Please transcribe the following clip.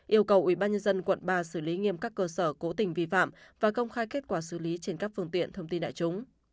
yêu cầu ubnd quận ba xử lý nghiêm các cơ sở cố tình vi phạm và công khai kết quả xử lý trên các phương tiện thông tin đại chúng